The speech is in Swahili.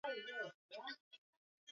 Viweke viazi kwenye maji na kuvifunika